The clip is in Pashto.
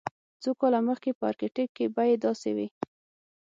څو کاله مخکې په ارکټیک کې بیې داسې وې